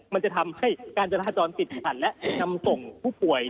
มันจะทำให้การจะทะจรสิทธิภัณฑ์และนำส่งผู้ป่วย